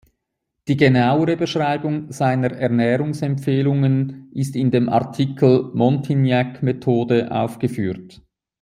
Die genauere Beschreibung seiner Ernährungsempfehlungen ist in dem Artikel Montignac-Methode aufgeführt.